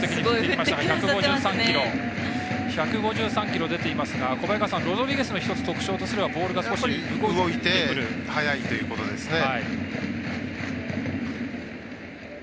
１５３キロ出ていますが小早川さん、ロドリゲスの特徴といえばボールが少し動いて速いというところですね。